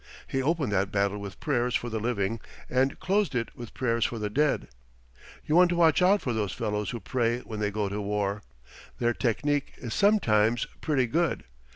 He opened that battle with prayers for the living and closed it with prayers for the dead. You want to watch out for those fellows who pray when they go to war. Their technic is sometimes pretty good.